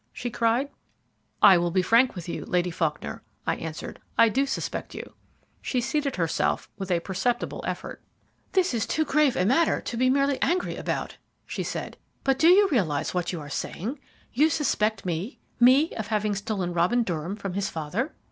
she cried. "I will be frank with you, Lady Faulkner," I answered. "I do suspect you." She seated herself with a perceptible effort. "This is too grave a matter to be merely angry about," she said; "but do you realize what you are saying? You suspect me me of having stolen Robin Durham from his father?"